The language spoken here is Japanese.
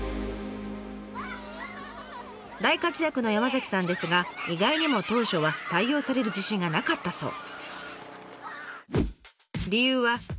大活躍の山さんですが意外にも当初は採用される自信がなかったそう。